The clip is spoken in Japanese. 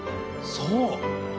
そう！